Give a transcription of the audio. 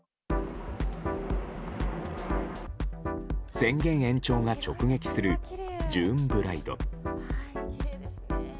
宣言延長が直撃するジューンブライド。